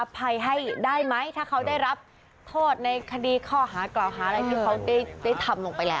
ภัยให้ได้ไหมถ้าเขาได้รับโทษในคดีข้อหากล่าวหาอะไรที่เขาได้ทำลงไปแล้ว